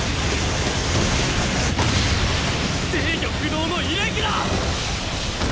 制御不能のイレギュラー！